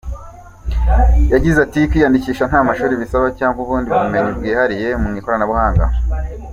Yagize ati “Kwiyandikisha nta mashuri bisaba cyangwa ubundi bumenyi bwihariye mu ikoranabuhanga.